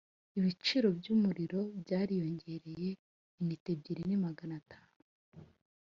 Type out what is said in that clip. ibiciro byumuriro byariyongereye inite ebyiri ni magana atanu